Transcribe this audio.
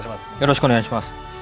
よろしくお願いします。